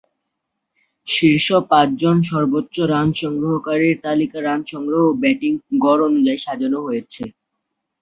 শীর্ষ পাঁচজন সর্বোচ্চ রান সংগ্রহকারীর তালিকা রান সংগ্রহ ও ব্যাটিং গড় অনুযায়ী সাজানো হয়েছে।